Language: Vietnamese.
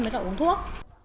giờ uống thuốc